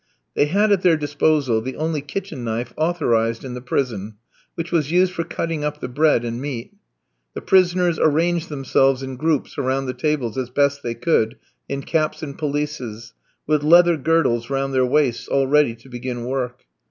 They had at their disposal the only kitchen knife authorised in the prison, which was used for cutting up the bread and meat. The prisoners arranged themselves in groups around the tables as best they could in caps and pelisses, with leather girdles round their waists, all ready to begin work.